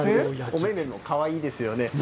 おめめもかわいいですよね。